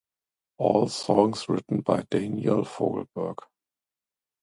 All songs written by Daniel Fogelberg.